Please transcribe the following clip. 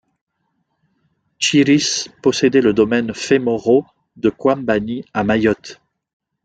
Chiris possédait le domaine Faymoreau de Kwambani à Mayotte.